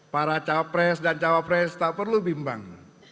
para capres dan cawapres tak perlu bimbang